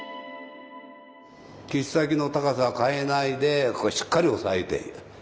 切っ先の高さは変えないでここしっかり押さえている。